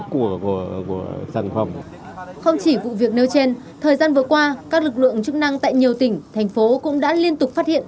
không chỉ vụ việc nêu trên thời gian vừa qua các lực lượng chức năng tại nhiều tỉnh thành phố cũng đã liên tục phát hiện